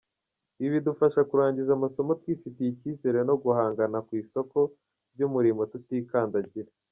Ibi bidufasha kurangiza amasomo twifitiye icyizere no guhangana ku isoko ry’umurimo tutikandagira ”.